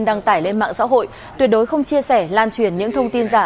đăng tải lên mạng xã hội tuyệt đối không chia sẻ lan truyền những thông tin giả